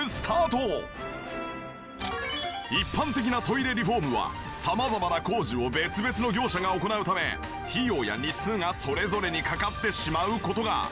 一般的なトイレリフォームは様々な工事を別々の業者が行うため費用や日数がそれぞれにかかってしまう事が。